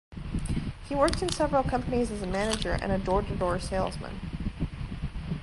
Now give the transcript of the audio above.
He worked in several companies as a manager and a door-to-door salesman.